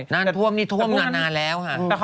น้ำท่วมนี่ท่วมนานแล้วค่ะ